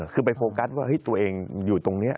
คือไปโฟกัสว่าตัวเองอยู่ตรงนี้